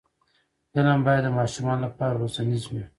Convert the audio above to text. فلم باید د ماشومانو لپاره روزنیز وي